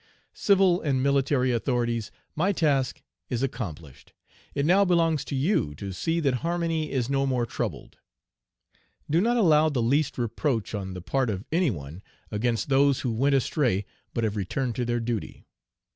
"Civil and military authorities, my task is accomplished. It now belongs to you to see that harmony is no more troubled. Do not allow the least reproach on the part of any one against those who went astray but have returned to their duty.